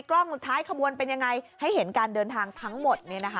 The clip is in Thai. กล้องท้ายขบวนเป็นยังไงให้เห็นการเดินทางทั้งหมด